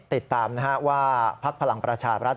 ติดตามว่าพักพลังประชาบรัฐ